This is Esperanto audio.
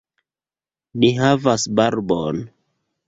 Ni havas barbon.